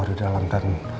udah di dalam kan